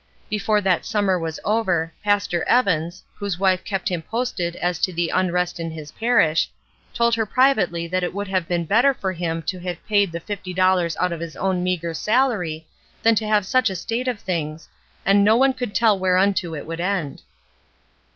Before that summer was over, Pastor Evans, whose wife kept him posted as to the unrest in his parish, told her privately that it would have 363 364 ESTER RIED^S NAMESAKE been better for him to have paid the fifty dollars out of his own meagre salary than to have such a state of things, and no one could tell whereunto it would end.